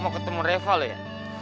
mau ketemu reva lo ya